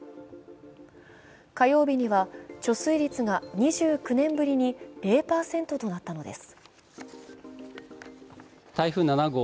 火曜日には貯水率が２９年ぶりに０％となったのです。